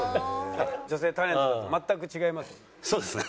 女性タレント全く違います？